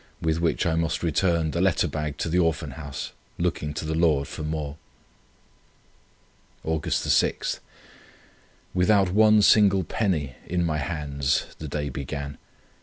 with which I must return the letter bag to the Orphan Houses, looking to the Lord for more. "Aug. 6. Without one single penny in my hands the day began.